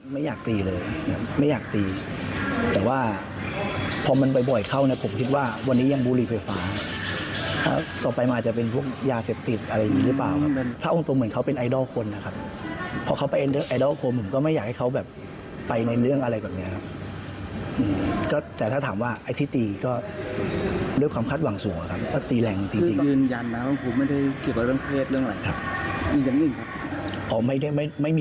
อ๋อไม่มีเรื่องพวกนี้แน่นอนครับ